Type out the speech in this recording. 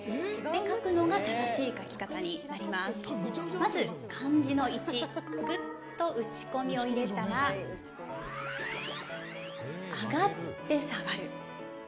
まず漢字の「一」、グッとうちこみを入れたら、上がって下がる。